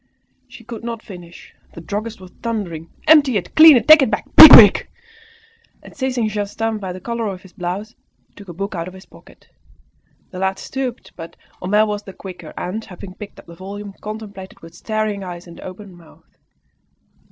She could not finish, the druggist was thundering "Empty it! Clean it! Take it back! Be quick!" And seizing Justin by the collar of his blouse, he shook a book out of his pocket. The lad stooped, but Homais was the quicker, and, having picked up the volume, contemplated it with staring eyes and open mouth.